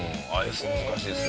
Ｓ難しいですよ。